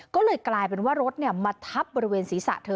ก็เลยกลายเป็นว่ารถมาทับบริเวณศีรษะเธอ